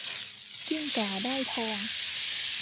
กิ้งก่าได้ทอง